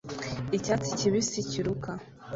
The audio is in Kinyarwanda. Icyatsi kibisi kiruka